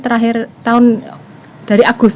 terakhir tahun dari agus